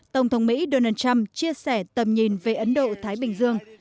tổng thống mỹ donald trump chia sẻ tầm nhìn về ấn độ thái bình dương